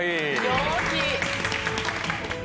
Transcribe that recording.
陽気。